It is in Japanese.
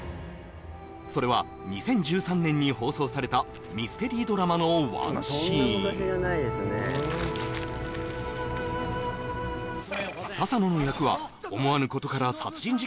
それは２０１３年に放送されたミステリードラマのワンシーン笹野の役は思わぬことから殺人事件を起こしてしまう